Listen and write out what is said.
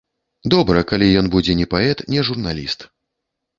Добра, калі ён будзе не паэт, не журналіст.